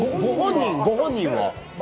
ご本人は？